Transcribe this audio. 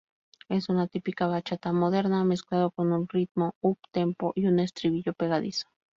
Es una típica bachata moderna mezclado con un ritmo up-tempo y un estribillo pegadizo.